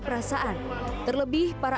perasaan terlebih para